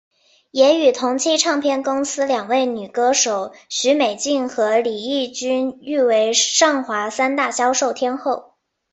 也与同期唱片公司两位女歌手许美静和李翊君誉为上华三大销售天后。